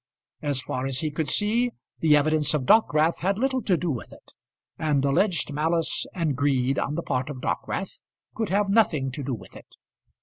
As far as he could see, the evidence of Dockwrath had little to do with it; and alleged malice and greed on the part of Dockwrath could have nothing to do with it.